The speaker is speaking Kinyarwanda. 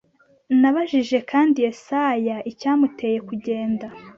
Nabajije kandi Yesaya icyamuteye kugenda